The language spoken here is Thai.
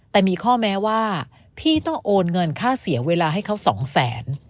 แต่มีข้อแม้ว่าพี่ต้องโอนเงินค่าเสียเวลาให้เขาสองแสน